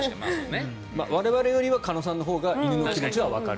我々よりは鹿野さんのほうが犬の気持ちはわかる。